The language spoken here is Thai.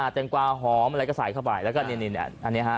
แตงกวาหอมอะไรก็ใส่เข้าไปแล้วก็นี่อันนี้ฮะ